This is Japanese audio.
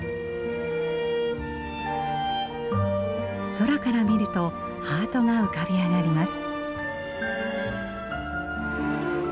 空から見るとハートが浮かび上がります。